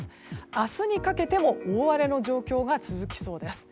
明日にかけても大荒れの状況が続きそうです。